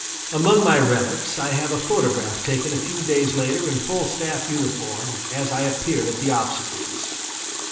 Among my relics I have a photograph taken a few days later in full staff uniform as I appeared at the obsequies.